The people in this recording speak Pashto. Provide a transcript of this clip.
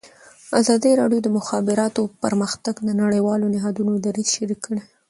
ازادي راډیو د د مخابراتو پرمختګ د نړیوالو نهادونو دریځ شریک کړی.